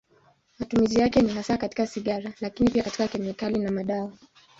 Matumizi yake ni hasa katika sigara, lakini pia katika kemikali na madawa.